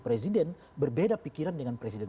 presiden berbeda pikiran dengan presiden